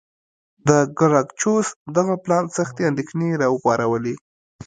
د ګراکچوس دغه پلان سختې اندېښنې را وپارولې.